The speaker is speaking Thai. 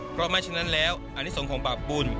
เพราะไม่จนนั้นแล้วอันนี้ส่งของบาปบุญ